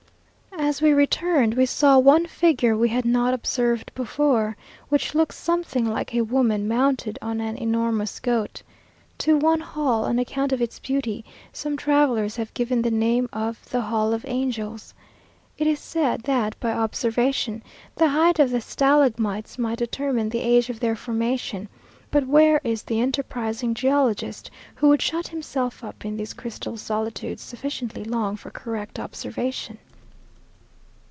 As we returned, we saw one figure we had not observed before, which looks something like a woman mounted on an enormous goat. To one hall, on account of its beauty, some travellers have given the name of the "Hall of Angels." It is said that, by observation, the height of the stalagmites might determine the age of their formation, but where is the enterprising geologist who would shut himself up in these crystal solitudes sufficiently long for correct observation?